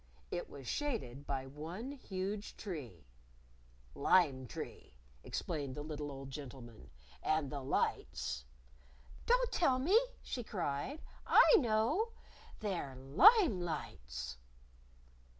It was shaded by one huge tree. "Lime tree," explained the little old gentleman. "And the lights " "Don't tell me!" she cried. "I know! They're lime lights."